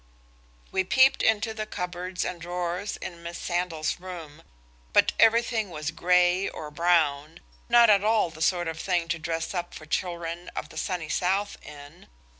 We peeped into the cupboards and drawers in Miss Sandal's room, but everything was grey or brown, not at all the sort of thing to dress up for children of the Sunny South in.